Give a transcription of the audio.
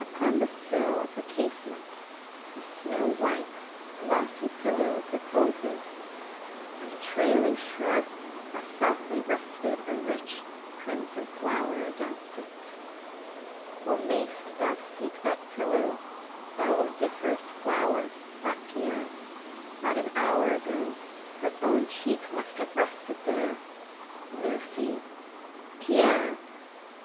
Upon the sill of the casement, a snow white glossy pillow reposes, and a trailing shrub has softly rested a rich, crimson flower against it. Well mayst thou seek that pillow, thou odoriferous flower, thought Pierre; not an hour ago, her own cheek must have rested there. "Lucy!" "Pierre!"